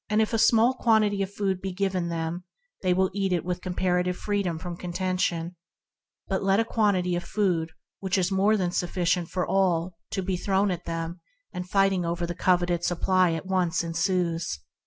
If a small quantity of food be given them they will eat it with comparative freedom from contention; but let a quantity of food more than sufficient for all be thrown to them, and fighting over the coveted provender at once ensues.